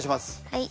はい。